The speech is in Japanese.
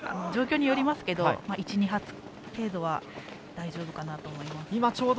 状況によりますけど１２発程度は大丈夫かなと思います。